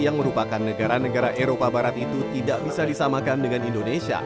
yang merupakan negara negara eropa barat itu tidak bisa disamakan dengan indonesia